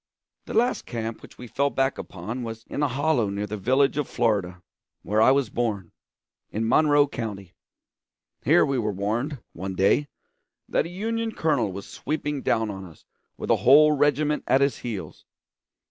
The last camp which we fell back upon was in a hollow near the village of Florida, where I was born in Monroe County. Here we were warned, one day, that a Union colonel was sweeping down on us with a whole regiment at his heels.